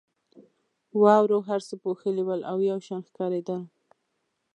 واورو هر څه پوښلي ول او یو شان ښکارېدل.